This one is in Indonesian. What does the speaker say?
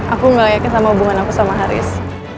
aku gak yakin sama hubungan aku sama haris